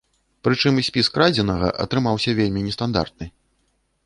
Прычым спіс крадзенага атрымаўся вельмі нестандартны.